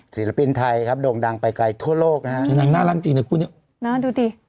ศิลปินไทยครับโด่งดังไปไกลทั่วโลกนะฮะคือนางน่ารักจริงในคู่นี้น่าดูดิ